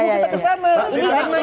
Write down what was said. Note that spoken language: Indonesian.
karena ini tidak laku